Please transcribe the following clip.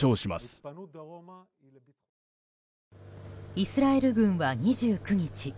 イスラエル軍は２９日